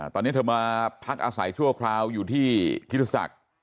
ตอนนี้เธอมาพักอาศัยชั่วคราวอยู่ที่คิริศักดิ์